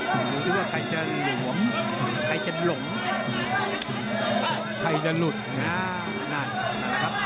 ดูดูว่าใครจะหลมใครจะหลมใครจะหลุดน่ะน่ะครับ